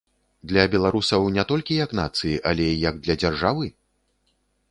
Для беларусаў не толькі як нацыі, але і як для дзяржавы?